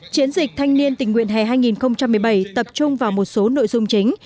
chiến dịch thanh niên tình nguyện hè hai nghìn một mươi bảy tập trung vào một số nội dung chính